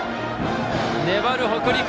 粘る北陸！